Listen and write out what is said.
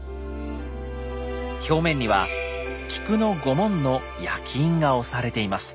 表面には菊の御紋の焼き印が押されています。